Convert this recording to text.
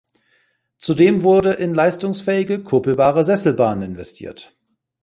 Zudem wurde in leistungsfähige kuppelbare Sesselbahnen investiert.